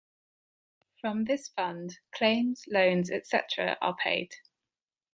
From this fund claims, loans, etc., are paid.